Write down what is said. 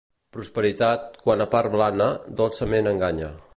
Prosperitat, quan apar blana, dolçament enganya.